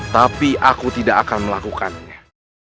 tapi aku tidak akan melakukannya